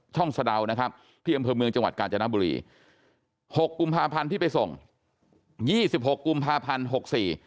ช่องสะดาวนะครับที่อำเภอเมืองจังหวัดกาจนบุรี๖กุมภาพันธุ์ที่ไปส่ง๒๖กุมภาพันธุ์๖๔